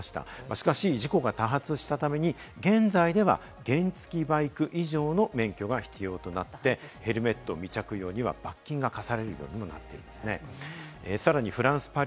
しかし事故が多発したために現在では、原付バイク以上の免許が必要となって、ヘルメット未着用には罰金が科されるようにもなっています。